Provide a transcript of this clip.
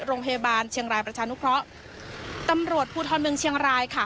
โรงพยาบาลเชียงรายประชานุเคราะห์ตำรวจภูทรเมืองเชียงรายค่ะ